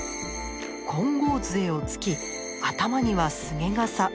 金剛杖をつき頭には菅笠。